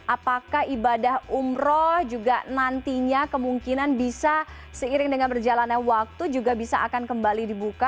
apakah ibadah umroh juga nantinya kemungkinan bisa seiring dengan berjalannya waktu juga bisa akan kembali dibuka